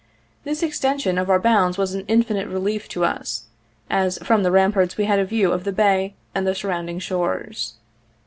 This extension of our bounds was an infinite relief to us, as from the ramparts we had a view of the bay and the surrounding shores.